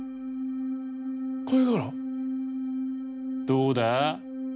どうだ？